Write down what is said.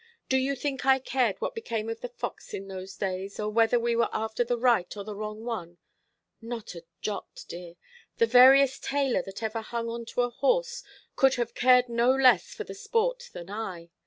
Do you think I cared what became of the fox in those days, or whether we were after the right or the wrong one? Not a jot, dear. The veriest tailor that ever hung on to a horse could have cared no less for the sport than I.